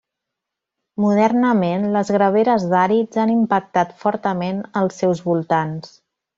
Modernament, les graveres d'àrids han impactat fortament els seus voltants.